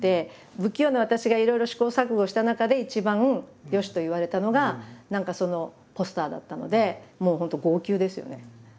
不器用な私がいろいろ試行錯誤した中で一番「良し」と言われたのが何かそのポスターだったのでもう本当号泣ですよね。